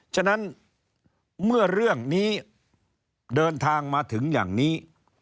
ฉะนั้นเมื่อเรื่องนี้เดินทางมาถึงอย่างนี้